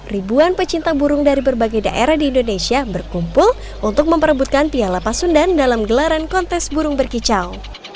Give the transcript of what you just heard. ribuan pecinta burung dari berbagai daerah di indonesia berkumpul untuk memperebutkan piala pasundan dalam gelaran kontes burung berkicau